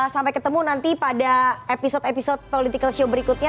sampai ketemu nanti pada episode episode political show berikutnya